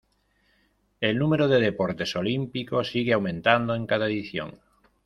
El número de deportes olímpicos sigue aumentando en cada edición.